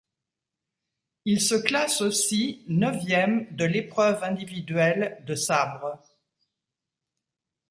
Il se classe aussi neuvième de l'épreuve individuelle de sabre.